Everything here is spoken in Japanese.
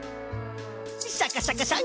シャカシャカシャン！